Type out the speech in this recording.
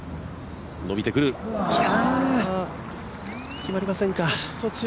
決まりませんか。